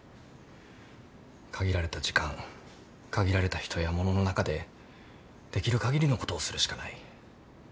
限られた時間限られた人や物の中でできる限りのことをするしかない。